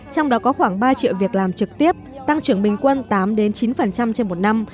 trong đó có khoảng ba triệu việc làm trực tiếp tăng trưởng bình quân tám chín trên một năm